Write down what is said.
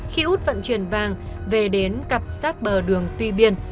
khi út vận chuyển vàng về đến cặp sát bờ đường tuy biên